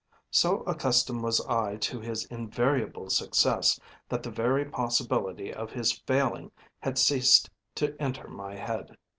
So accustomed was I to his invariable success that the very possibility of his failing had ceased to enter into my head.